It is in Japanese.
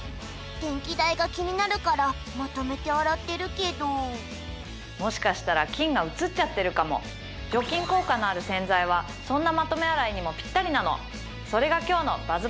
電気代が気になるからまとめて洗ってるけどもしかしたら菌が移っちゃってるかも除菌効果のある洗剤はそんなまとめ洗いにもピッタリなのそれが今日のＢＵＺＺ